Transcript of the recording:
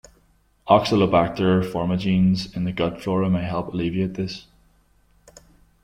"Oxalobacter formigenes" in the gut flora may help alleviate this.